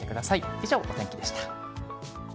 以上、お天気でした。